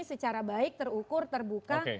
secara baik terukur terbuka